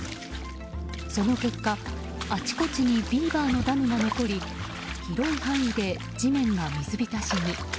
その結果、あちこちにビーバーのダムが残り広い範囲で地面が水浸しに。